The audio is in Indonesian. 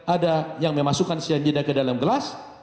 ada yang memasukkan cyanida ke dalam gelas